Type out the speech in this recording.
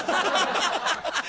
ハハハハ！